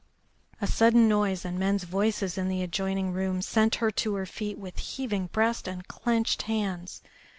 A sudden noise and men's voices in the adjoining room sent her to her feet with heaving breast and clenched hands.